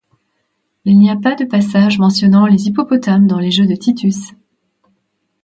Il n'y a pas de passage mentionnant les hippopotames dans les jeux de Titus.